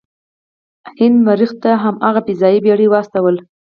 هند مریخ ته هم فضايي بیړۍ واستوله.